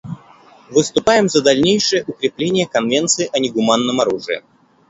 Выступаем за дальнейшее укрепление Конвенции о негуманном оружии.